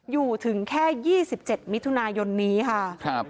อยู่ถึงแค่๒๗มิถุนายนนี้ค่ะ